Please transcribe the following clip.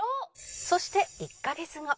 「そして１カ月後」